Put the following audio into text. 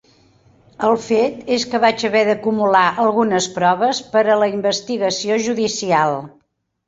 El fet és que vaig haver d'acumular algunes proves per a la investigació judicial.